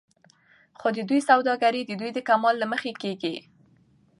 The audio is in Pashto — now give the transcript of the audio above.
خو د دوى سوداګري د دوى د کمال له مخې کېږي